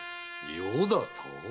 「余」だと？